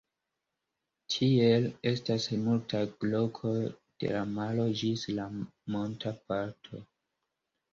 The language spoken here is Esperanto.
Tiel, estas multaj lokoj de la maro ĝis la monta parto.